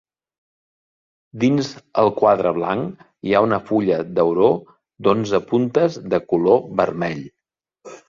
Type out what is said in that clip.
Dins el quadrat blanc hi ha una fulla d'auró d'onze puntes de color vermell.